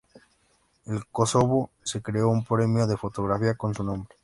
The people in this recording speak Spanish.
En Kosovo se creó un premio de fotografía con su nombre.